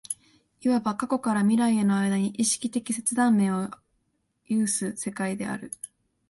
いわば過去から未来への間に意識的切断面を有つ世界である。